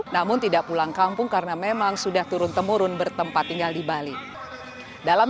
namun tidak pulang kampung karena memang sudah turun temurun bertempat tinggal di bali dalam